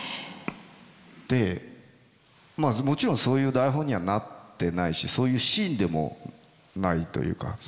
でまあもちろんそういう台本にはなってないしそういうシーンでもないというか。